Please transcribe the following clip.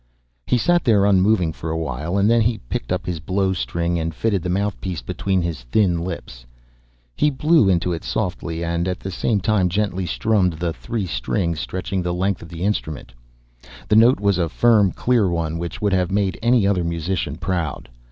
He sat there unmoving for a while, and then he picked up his blowstring and fitted the mouthpiece between his thin lips. He blew into it softly and at the same time gently strummed the three strings stretching the length of the instrument. The note was a firm clear one which would have made any other musician proud.